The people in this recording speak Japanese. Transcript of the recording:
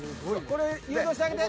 誘導してあげて。